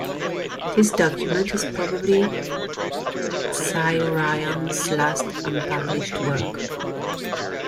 This document is probably Cioran's last unpublished work.